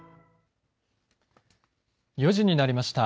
４時になりました。